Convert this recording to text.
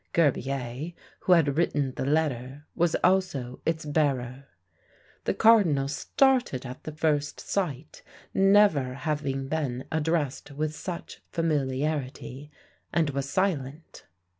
Gerbier, who had written the letter, was also its bearer. The cardinal started at the first sight, never having been addressed with such familiarity, and was silent.